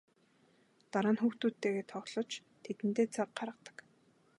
Дараа нь хүүхдүүдтэйгээ тоглож тэдэндээ цаг гаргадаг.